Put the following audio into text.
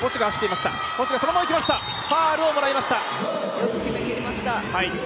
よく決めきりました。